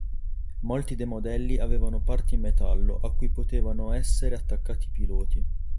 Molti dei modelli avevano parti in metallo, a cui potevano essere attaccati i piloti.